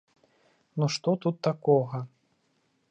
Ну што тут такога?